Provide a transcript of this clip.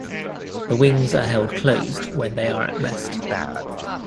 The wings are held closed when they are at rest.